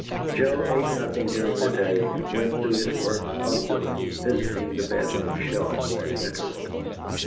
Joe ate nothing during the day, and went through his work clumsily, visiting the bedroom shelf at intervals.